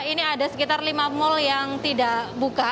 ini ada sekitar lima mal yang tidak buka